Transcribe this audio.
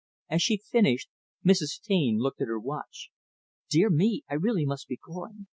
As she finished, Mrs. Taine looked at her watch. "Dear me, I really must be going.